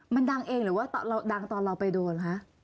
มันดังเองหรือว่าดังตอนเราไปโดลหรือฮะ